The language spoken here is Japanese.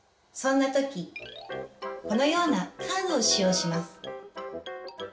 そんな時このようなカードを使用します。